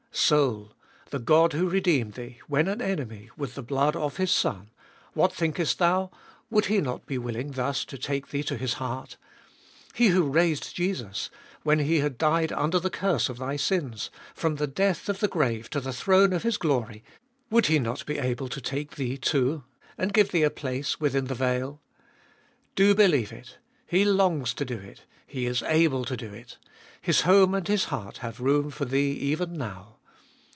Soul! the God who redeemed thee, when an enemy, with the blood of His Son — what thinkest thou ? would He not be willing thus to take thee to His heart? He who raised Jesus, when He had died under the curse of thy sins, from the death of the grave to the throne of His glory, would He not be able to take thee, too, and give thee a place within the veil ? Do believe it. He longs to do it ; He is able to do it His home and His heart have room for thee even now.